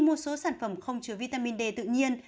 một số sản phẩm không chứa vitamin d tự nhiên